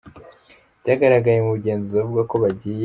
byagaragaye mu bugenzuzi avuga ko bagiye.